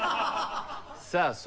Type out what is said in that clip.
さあ